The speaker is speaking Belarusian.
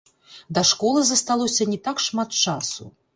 Да школы засталося не так шмат часу.